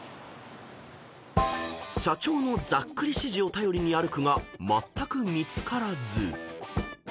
［社長のざっくり指示を頼りに歩くがまったく見つからず］